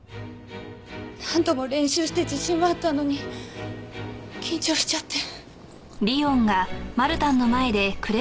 何度も練習して自信はあったのに緊張しちゃって。